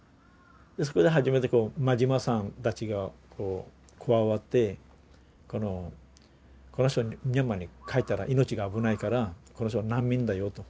そこで初めて馬島さんたちが加わって「この人はミャンマーに帰ったら命が危ないからこの人は難民だよ」と。